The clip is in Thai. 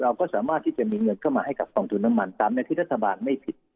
เราก็จะมีเงินเข้ามาให้กลับภองทุนน้ำมันตามในภิษธรรมบาลไม่ผิด